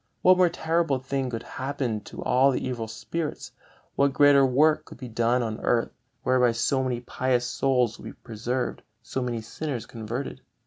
What more terrible thing could happen to all the evil spirits? What greater work could be done on earth, whereby so many pious souls would be preserved, so many sinners converted?